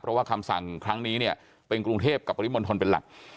เพราะว่าคำสั่งครั้งนี้เนี่ยเป็นกรุงเทพกับปริมณฑลเป็นหลัก